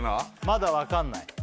まだ分かんない？